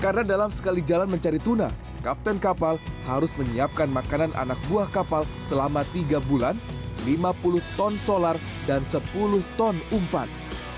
karena dalam sekali jalan mencari tuna kapten kapal harus menyiapkan makanan anak buah kapal selama tiga bulan lima puluh ton solar dan sepuluh ton umpan